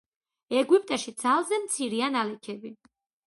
ეგვიპტეში ძალზე მცირეა ნალექები.